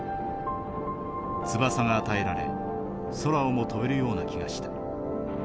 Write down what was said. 翼が与えられ空をも飛べるような気がした。